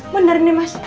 bener nih mas